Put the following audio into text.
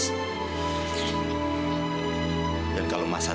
ma kenapa mereka bergantung kepada congkak saya